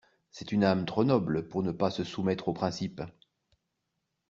C'est une âme trop noble pour ne pas se soumettre aux principes.